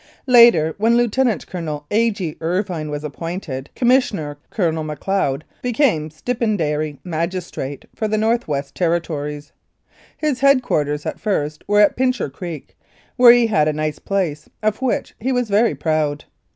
Later, when Lieutenant Colonel A. G. Irvine was appointed Com missioner, Colonel Macleod became stipendiary magi strate for the North West Territories. His head quarters at first were at Pincher Creek, where he had a nice place, of which he was very proud.